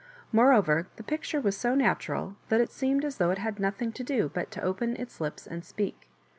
Moreover, the picture was so natural that it seemed as though it had nothing to do but to open its lips and speak.